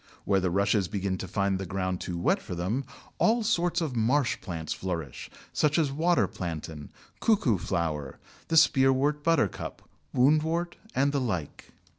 Where the Rushes begin to find the ground too wet for them, all sorts of marsh plants flourish, such as Water Plantain, Cuckoo flower, the Spearwort Buttercup, Woundwort, and the like.